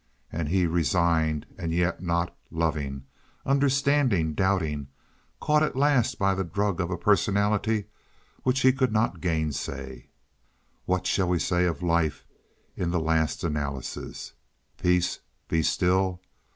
And he resigned, and yet not—loving, understanding, doubting, caught at last by the drug of a personality which he could not gainsay. What shall we say of life in the last analysis—"Peace, be still"?